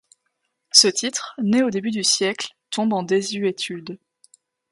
Ce titre, né au début du siècle, tombe en désuétude.